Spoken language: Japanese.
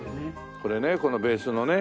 これねこのベースのね。